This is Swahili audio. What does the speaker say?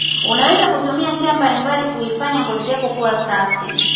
unaweza kutumia njia mbalimbali kuifanya ngozi yako kuwa safi